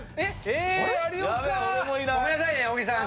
ごめんなさいね小木さん。